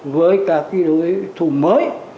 với các đối thủ mới